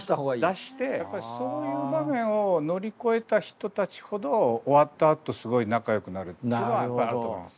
出してやっぱりそういう場面を乗り越えた人たちほど終わったあとすごい仲よくなるっていうのはあると思います。